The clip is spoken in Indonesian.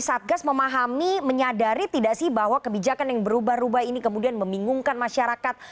satgas memahami menyadari tidak sih bahwa kebijakan yang berubah ubah ini kemudian membingungkan masyarakat